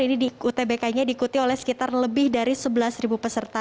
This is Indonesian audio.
ini utbk nya diikuti oleh sekitar lebih dari sebelas peserta